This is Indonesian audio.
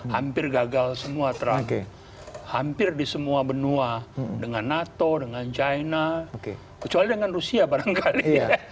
hampir gagal semua trump hampir di semua benua dengan nato dengan china kecuali dengan rusia barangkali